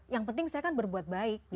yang penting saya kan berbuat baik